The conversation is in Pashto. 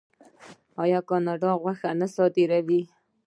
آیا کاناډا غوښه نه صادروي؟